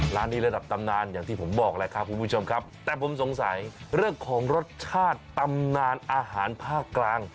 ร้านนี้ระดับตำนานอย่างที่ผมบอกแหละครับคุณผู้ชมครับแต่ผมสงสัยเรื่องของรสชาติตำนานอาหารภาคกลาง